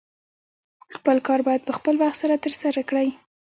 خپل کار باید په خپل وخت سره ترسره کړې